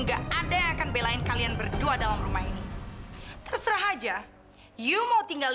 lo kan bekas babu tukang cuci